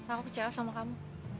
aku kecewas sama kamu